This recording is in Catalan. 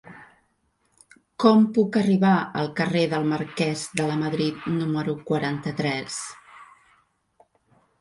Com puc arribar al carrer del Marquès de Lamadrid número quaranta-tres?